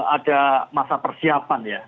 ada masa persiapan ya